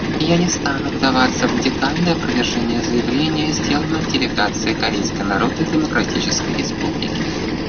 Я не стану вдаваться в детальное опровержение заявлений, сделанных делегацией Корейской Народно-Демократической Республики.